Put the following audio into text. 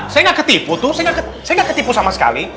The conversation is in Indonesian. saya gak ketipu tuh saya gak ketipu sama sekali